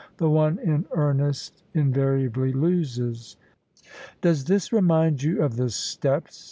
The one in earnest invariably loses. "Does this remind you of the steppes?"